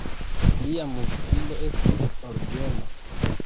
Lia muzikilo estis orgeno.